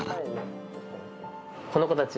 この子たち